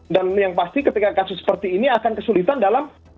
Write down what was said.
dan yang pasti ketika kasus seperti ini akan kesulitan dalam